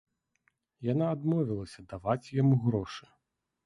Яна адмовілася даваць яму грошы.